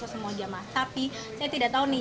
ke semua jamaah tapi saya tidak tahu nih